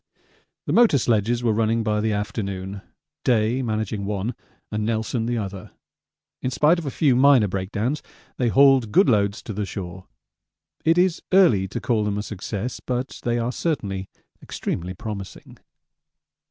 The motor sledges were running by the afternoon, Day managing one and Nelson the other. In spite of a few minor breakdowns they hauled good loads to the shore. It is early to call them a success, but they are certainly extremely promising.